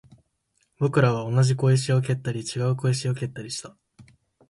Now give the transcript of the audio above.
僕らは同じ小石を蹴ったり、違う小石を蹴ったりした